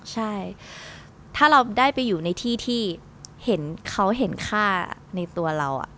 ใช่ถ้าเราได้ไปอยู่ในที่ที่เขาเห็นค่าในตัวเรา